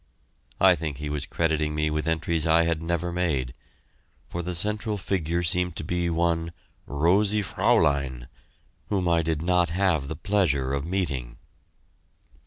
I think he was crediting me with entries I had never made, for the central figure seemed to be one "Rosie Fräulein," whom I did not have the pleasure of meeting.